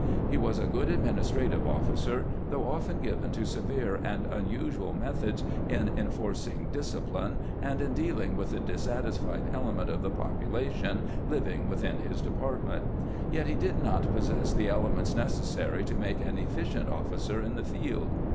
He was a good administrative officer, though often given to severe and unusual methods in enforcing discipline and in dealing with the dissatisfied element of the population living within his department ; yet he did not possess the elements necessary to make an efficient officer in the field.